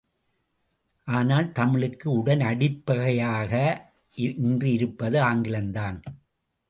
ஆனால் தமிழுக்கு உடனடிப்பகையாக இன்று இருப்பது ஆங்கிலந்தான்!